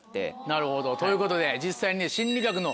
なるほど。ということで実際に。